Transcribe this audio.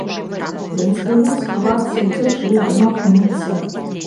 Я не спрабую схавацца, уцячы, адмахнуцца!